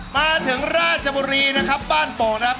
มาถึงราชบุรีนะครับบ้านโป่งนะครับ